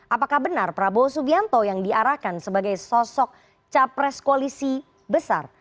apakah benar prabowo subianto yang diarahkan sebagai sosok capres koalisi besar